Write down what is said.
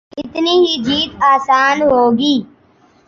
اتنی ہی جیت آسان ہو گی۔